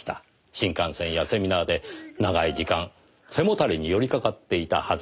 新幹線やセミナーで長い時間背もたれに寄りかかっていたはずなのに。